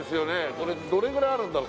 これどれぐらいあるんだろう